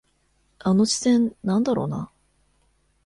あの視線、なんだろうな。